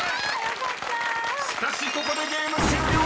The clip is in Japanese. ［しかしここでゲーム終了］